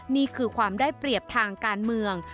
นี่คือความได้เปรียบทางการเมือง